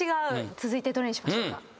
続いてどれにしましょうか？